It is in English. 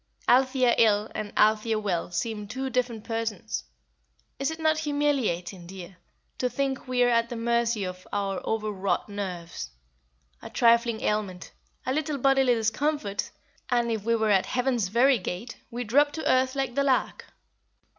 Althea ill and Althea well seem two different persons. Is it not humiliating, dear, to think we are at the mercy of our over wrought nerves? A trifling ailment, a little bodily discomfort, and, if we are at heaven's very gate, we drop to earth like the lark."